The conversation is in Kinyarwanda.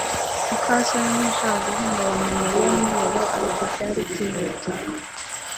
muka soni ntiyashakaga guhungabanya Mariya nijoro, ariko byari byihutirwa.